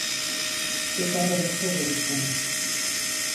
His daughter Mathilde was born.